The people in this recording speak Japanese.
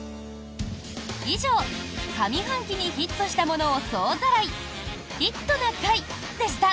以上、上半期にヒットしたものを総ざらい「ヒットな会」でした！